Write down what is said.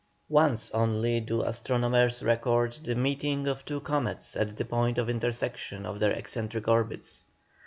Once only do astronomers record the meeting of two comets at the point of intersection of their eccentric orbits.